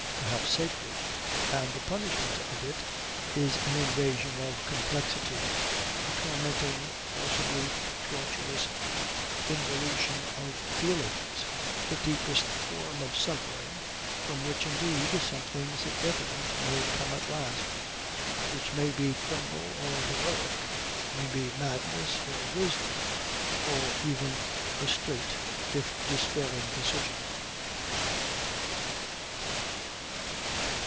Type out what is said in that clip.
Perhaps sacred. And the punishment of it is an invasion of complexity, a tormenting, forcibly tortuous involution of feelings, the deepest form of suffering from which indeed something significant may come at last, which may be criminal or heroic, may be madness or wisdom or even a straight if despairing decision.